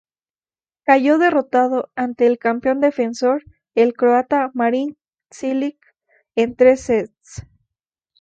Cayó derrotado ante el campeón defensor, el croata Marin Cilic en tres sets.